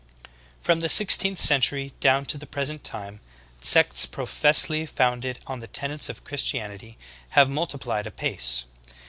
2L From the sixteenth century down to the present time, sects professedly founded on the tenets of Christianity have multiplied apace.